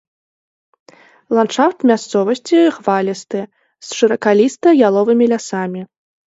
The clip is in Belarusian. Ландшафт мясцовасці хвалісты з шыракаліста-яловымі лясамі.